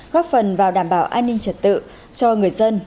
góp phần vào đảm bảo an ninh trật tự cho người dân